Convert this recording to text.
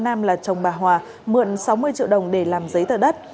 nam là chồng bà hòa mượn sáu mươi triệu đồng để làm giấy tờ đất